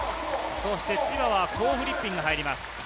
そして千葉はコー・フリッピンが入ります。